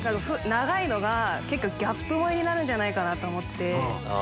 長いのがギャップ萌えになるんじゃないかと思って。